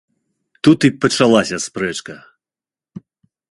Тут і пачалася спрэчка.